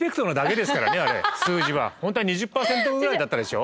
本当は２０％ぐらいだったでしょ。